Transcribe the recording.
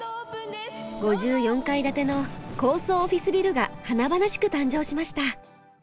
５４階建ての高層オフィスビルが華々しく誕生しました。